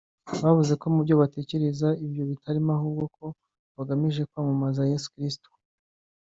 bavuze ko mu byo batekereza ibyo bitarimo ahubwo ko bagamije kwamamaza Yesu Kristo